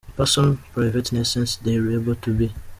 person privateness since they’re able to be .